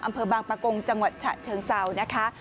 อำเภอบางประกงจังหวัดฉะเชิงเซานะคะ